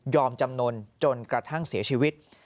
จำนวนจนกระทั่งเสียชีวิต